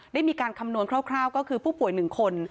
ได้มีการคำนวนคร่าวก็คือผู้ป่วย๑คน